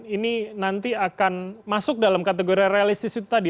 ini nanti akan masuk dalam kategori realistis itu tadi